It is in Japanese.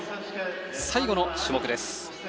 最後の種目です。